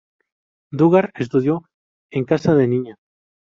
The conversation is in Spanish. Duggar estudió en casa de niña.